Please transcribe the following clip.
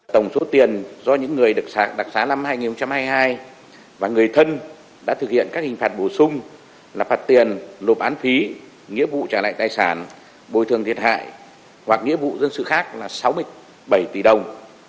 tổng số tiền do những người được sạc đặc xá năm hai nghìn hai mươi hai và người thân đã thực hiện các hình phạt bổ sung là phạt tiền nộp án phí nghĩa vụ trả lại tài sản bồi thường thiệt hại hoặc nghĩa vụ dân sự khác là sáu mươi bảy tỷ đồng